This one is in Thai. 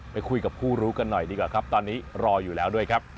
ไปคุยกับผู้รู้กันหน่อยดีกว่าครับตอนนี้รออยู่แล้วด้วยครับ